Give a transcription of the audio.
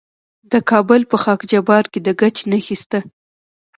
د کابل په خاک جبار کې د ګچ نښې شته.